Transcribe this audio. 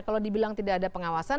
kalau dibilang tidak ada pengawasan